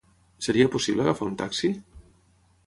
Seria possible agafar un taxi?